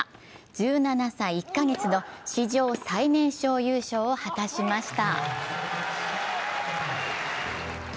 １７歳１か月の史上最年少優勝を果たしました。